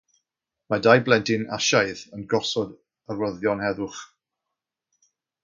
Mae dau blentyn Asiaidd yn gosod arwyddion heddwch